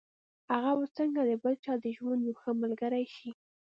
هغه به څنګه د بل چا د ژوند يوه ښه ملګرې شي.